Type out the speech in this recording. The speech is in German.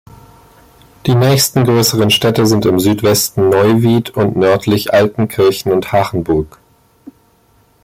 Die nächsten größeren Städte sind im Südwesten Neuwied und nördlich Altenkirchen und Hachenburg.